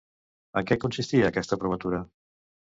En què consistia aquesta provatura?